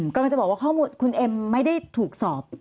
กำลังจะบอกว่าข้อมูลคุณเอ็มไม่ได้ถูกสอบ